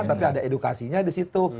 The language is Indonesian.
tapi ada edukasinya di situ